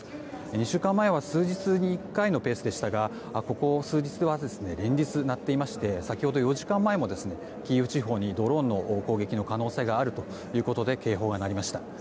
２週間前は数日に１回のペースでしたがここ数日は、連日鳴っていまして先ほど４時間前もキーウ地方にドローン攻撃の可能性があるということで警報が鳴りました。